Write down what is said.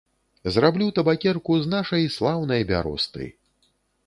Зраблю табакерку з нашай слаўнай бяросты.